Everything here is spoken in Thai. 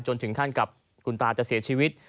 ถึงขั้นกับคุณตาจะเสียชีวิต